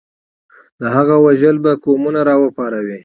د هغه وژل به قومونه راوپاروي.